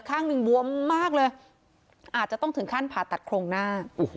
ข้างหนึ่งบวมมากเลยอาจจะต้องถึงขั้นผ่าตัดโครงหน้า